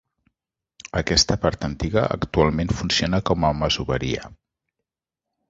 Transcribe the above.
Aquesta part antiga actualment funciona com a masoveria.